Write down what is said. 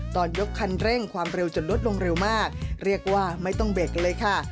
ยกคันเร่งความเร็วจนลดลงเร็วมากเรียกว่าไม่ต้องเบรกเลยค่ะ